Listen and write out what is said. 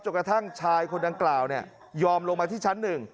กระทั่งชายคนดังกล่าวยอมลงมาที่ชั้น๑